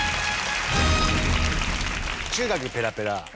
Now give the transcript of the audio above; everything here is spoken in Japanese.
中学ペラペラ